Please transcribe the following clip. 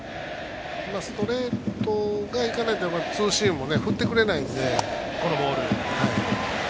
ストレートがいかないとツーシームも振ってくれないので。